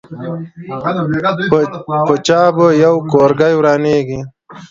په چا به یو کورګۍ ورانېږي.